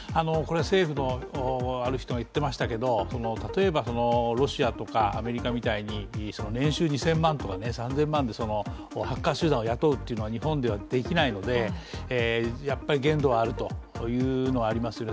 政府のある人が言ってましたけど例えば、ロシアとかアメリカみたいに年収２０００万とか３０００万とかでハッカー集団を雇うというのは日本ではできないのでやっぱり限度はあるというのはありますよね。